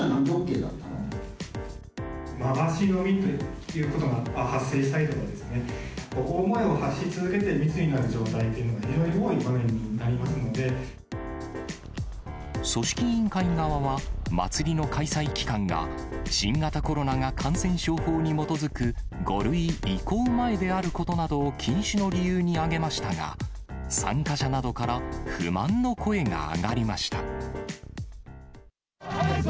回し飲みということが発生したりとかですね、大声を発し続けて、密になる状態というのが、組織委員会側は、祭りの開催期間が、新型コロナが感染症法に基づく５類移行前であることなどを、禁酒の理由に挙げましたが、参加者などから不満の声が上がりました。